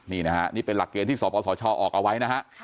จะได้ไม่เกิน๒แสนบาท